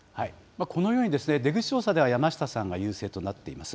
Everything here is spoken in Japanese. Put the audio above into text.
このように出口調査では山下さんが優勢となっています。